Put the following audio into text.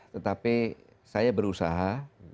tetapi saya berusaha